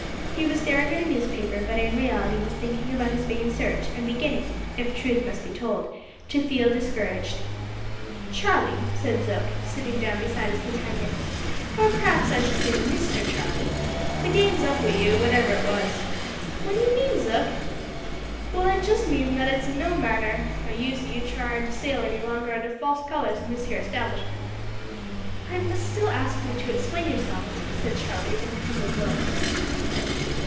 He was staring at a newspaper, but in reality was thinking about his vain search, and beginning, if truth must be told, to feel discouraged. "Charlie," said Zook, sitting down beside his champion, "or p'r'aps I should say Mister Charlie, the game's up wi' you, whatever it was." "What d'you mean, Zook?" "Well, I just mean that it's o' no manner o' use your tryin' to sail any longer under false colours in this here establishment." "I must still ask you to explain yourself," said Charlie, with a puzzled look.